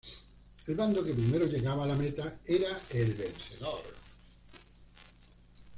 El bando, que primero llegaba a la meta, era el vencedor.